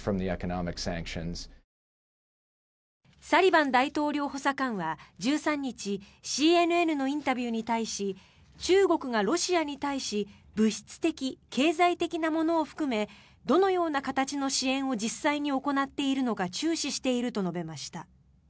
サリバン大統領補佐官は１３日ＣＮＮのインタビューに対し中国がロシアに対し物質的、経済的なものを含めどのような形の支援を実際に行っているのか注視していると述べました。